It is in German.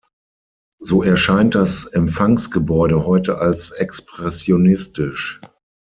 So erscheint das Empfangsgebäude heute als expressionistisch.